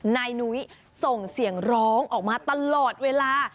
นายนุ้ยส่งเสียงร้องออกมาตลอดเวลา